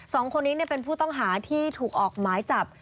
สองคนนี้เป็นผู้ต้องหาที่ถูกออกหมายจับ